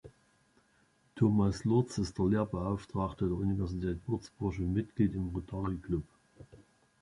Thomas Lurz ist Lehrbeauftragter der Universität Würzburg und Mitglied im Rotary Club.